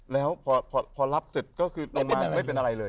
แล้วพอรับเสร็จก็คือลงมาไม่เป็นอะไรเลย